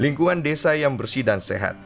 lingkungan desa yang bersih dan sehat